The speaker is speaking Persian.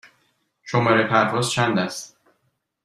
شماره پرواز چند است؟